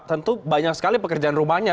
tentu banyak sekali pekerjaan rumahnya